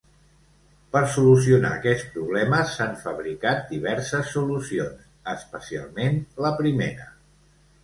Per solucionar aquests problemes s'han fabricat diverses solucions, especialment la primera.